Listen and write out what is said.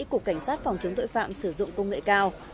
của cảnh sát phòng chứng tội phạm sử dụng công nghệ cao